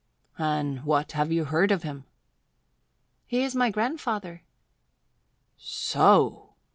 "And what have you heard of him?" "He is my grandfather." "So!"